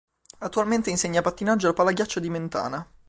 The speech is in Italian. Attualmente insegna pattinaggio al palaghiaccio di Mentana.